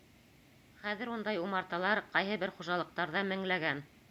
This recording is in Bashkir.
Хәҙер ундай умарталар ҡайһы бер хужалыҡтарҙа меңләгән.